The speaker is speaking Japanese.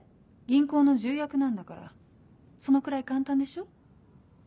銀行の重役なんだからそのくらい簡単でしょ。